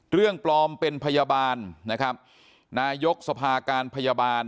เรื่องปลอมเป็นพยาบาลนะครับนายกสภาการพยาบาล